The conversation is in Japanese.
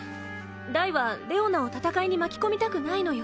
ダイはレオナを戦いに巻き込みたくないのよ。